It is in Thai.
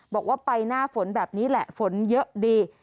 บอกว่าไปหน้าฝนแบบนี้แหละฝนเยอะดี